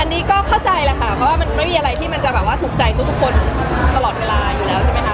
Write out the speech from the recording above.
อันนี้ก็เข้าใจแหละค่ะเพราะว่ามันไม่มีอะไรที่มันจะแบบว่าถูกใจทุกคนตลอดเวลาอยู่แล้วใช่ไหมคะ